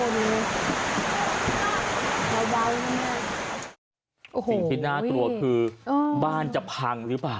สิ่งที่น่ากลัวคือบ้านจะพังหรือเปล่า